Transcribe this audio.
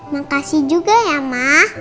makasih juga ya mak